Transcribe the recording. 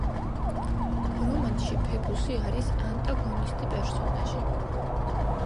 რომანში ფებუსი არის ანტაგონისტი პერსონაჟი.